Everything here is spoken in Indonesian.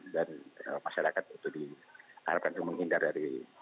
dan masyarakat itu diharapkan untuk menghindar dari